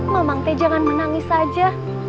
mamang jangan menangis saja